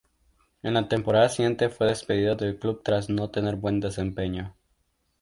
En la temporada siguiente fue despedido del club tras no tener buen desempeño.